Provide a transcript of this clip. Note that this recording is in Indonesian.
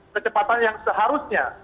kecepatan yang seharusnya